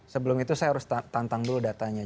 sebelum itu saya harus tantang dulu datanya